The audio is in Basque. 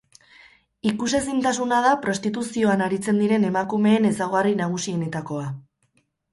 Ikusezintasuna da prostituzioan aritzen diren emakumeen ezaugarri nagusienetakoa.